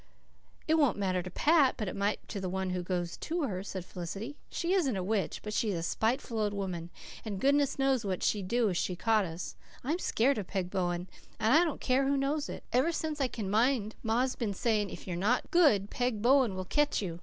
"It won't matter to Pat, but it might to the one who goes to her," said Felicity. "She isn't a witch, but she's a spiteful old woman, and goodness knows what she'd do to us if she caught us. I'm scared of Peg Bowen, and I don't care who knows it. Ever since I can mind ma's been saying, 'If you're not good Peg Bowen will catch you.